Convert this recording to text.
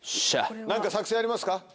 何か作戦ありますか？